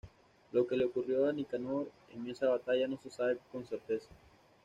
Lo que le ocurrió a Nicanor en esa batalla no se sabe con certeza.